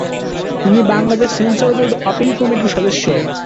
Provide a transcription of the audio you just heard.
তিনি Bangladesh censor board appeal কমিটির সদস্য।